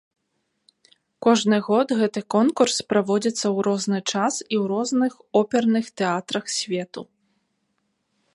Кожны год гэты конкурс праводзіцца ў розны час і ў розных оперных тэатрах свету.